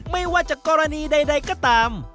ไม่ว่าจะกรณีใดก็ตาม